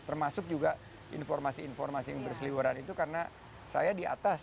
termasuk juga informasi informasi yang berseliwaran itu karena saya di atas